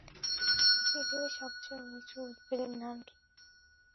পৃথিবীর সবচেয়ে উঁচু উদ্ভিদের নাম কী?